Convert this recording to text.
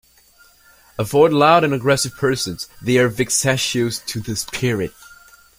Avoid loud and aggressive persons; they are vexatious to the spirit.